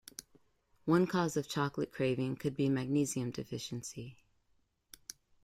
One cause of chocolate craving could be magnesium deficiency.